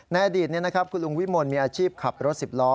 ในอดีตคุณลุงวิมลมีอาชีพขับรถ๑๐ล้อ